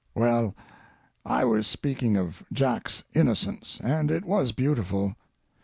Well, I was speaking of Jack's innocence, and it was beautiful.